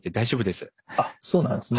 あっそうなんですね。